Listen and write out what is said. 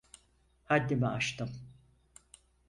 Haddimi aştım.